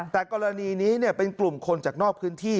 แต่กรณีนี้เป็นกลุ่มคนจากนอกพื้นที่